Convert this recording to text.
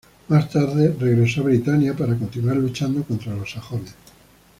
Más tarde, regresó a Britania para continuar luchando contra los sajones.